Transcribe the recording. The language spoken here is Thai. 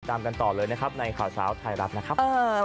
ติดตามกันต่อเลยนะครับในขาวเศร้าถ่ายรับนะครับ